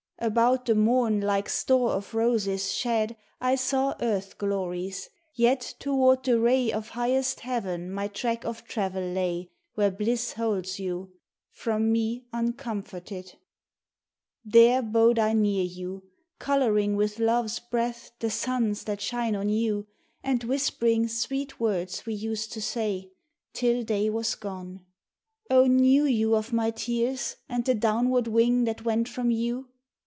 About the morn like store of roses shed I saw earth glories, yet toward the ray Of highest heaven my track of travel lay Where bliss holds you— from me uncomforted ! There bode I near you, colouring with love's breath The suns that shine on you, and whispering Sweet words we used to say, till day was gone. Oh, knew you of my tears, and the downward wing That went from you?